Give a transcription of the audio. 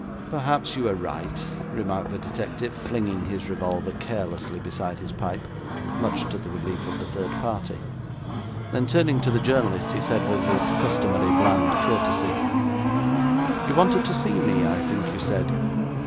'Perhaps you are right,' remarked the detective, flinging his revolver carelessly beside his pipe, much to the relief of the third party. Then, turning to the journalist, he said, with his customary bland courtesy 'You wanted to see me, I think you said.